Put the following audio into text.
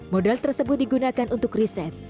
modal tersebut digunakan untuk riset